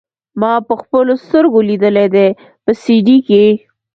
ما پخپلو سترګو ليدلي دي په سي ډي کښې.